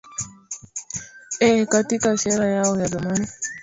ee katika shera yao ya zamani